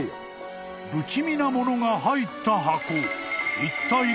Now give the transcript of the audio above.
［不気味なものが入った箱］